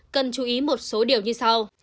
hà nội đã đồng ý một số điều như sau